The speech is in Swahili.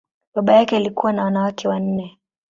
Baba yake alikuwa na wake wanne.